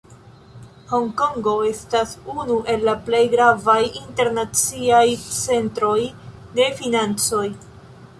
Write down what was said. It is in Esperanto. Honkongo estas unu el la plej gravaj internaciaj centroj de financoj.